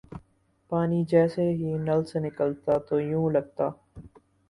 پانی جیسے ہی نل سے نکلتا تو یوں لگتا